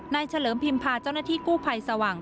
เฉลิมพิมพาเจ้าหน้าที่กู้ภัยสว่าง